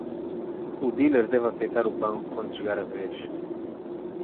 O dealer deve aceitar o banco quando chegar a vez.